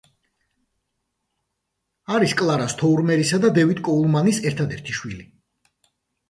არის კლარა სთოერმერის და დევიდ კოულმანის ერთადერთი შვილი.